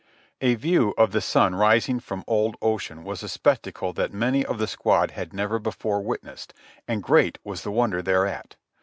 A view of the sun rising from old Ocean was a spectacle that many of the squad had never before witnessed, and great was the wonder thereat.